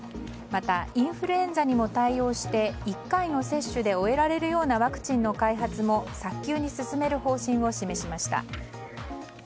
また、インフルエンザにも対応して１回の接種で終えられるようなワクチンの開発も早急に進める方針を示しました。